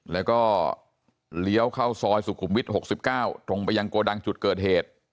แล้วก็เลี้ยวเข้าซอยสุขุมวิทย์๖๙ตรงไปยังโกดังจุดเกิดเหตุ